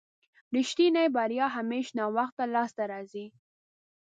رښتينې بريا همېش ناوخته لاسته راځي.